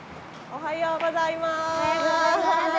おはようございます。